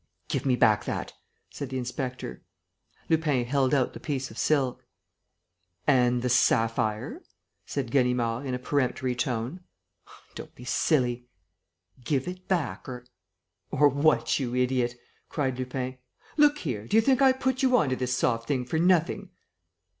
"Give me back that," said the inspector. Lupin held out the piece of silk. "And the sapphire," said Ganimard, in a peremptory tone. "Don't be silly." "Give it back, or...." "Or what, you idiot!" cried Lupin. "Look here, do you think I put you on to this soft thing for nothing?"